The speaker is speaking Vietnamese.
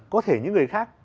có thể những người khác